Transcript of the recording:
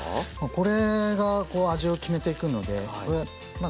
これが味を決めていくのでまあ